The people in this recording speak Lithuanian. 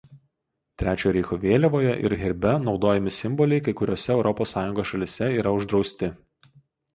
Trečiojo Reicho vėliavoje ir herbe naudojami simboliai kai kuriose Europos Sąjungos šalyse yra uždrausti.